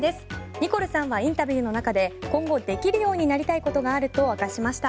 ニコルさんはインタビューの中で今後できるようになりたいことがあると明かしました。